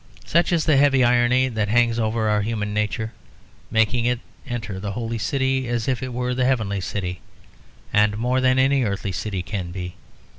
Such is the heavy irony that hangs over our human nature, making it enter the Holy City as if it were the Heavenly City, and more than any earthly city can be.